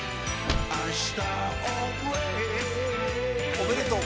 おめでとう。